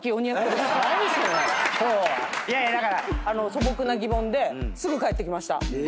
素朴な疑問ですぐ返ってきました。